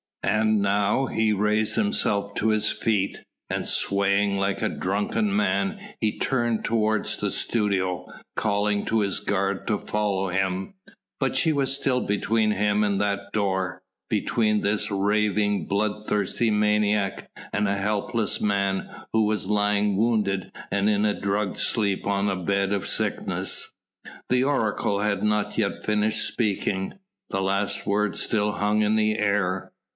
And now he raised himself to his feet, and swaying like a drunken man he turned toward the studio, calling to his guard to follow him. But she was still between him and that door, between this raving, bloodthirsty maniac and a helpless man who was lying wounded and in a drugged sleep on a bed of sickness. The oracle had not yet finished speaking. The last word still hung in the air.